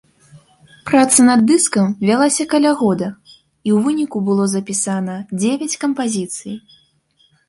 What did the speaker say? Праца над дыскам вялася каля года, і ў выніку было запісана дзевяць кампазіцый.